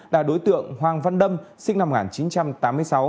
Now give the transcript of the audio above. là đối tượng hoàng văn đâm sinh năm một nghìn chín trăm tám mươi sáu